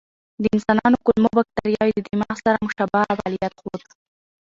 د انسانانو کولمو بکتریاوې د دماغ سره مشابه فعالیت ښود.